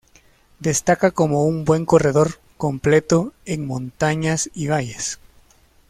Destaca como un buen corredor completo en montañas y valles.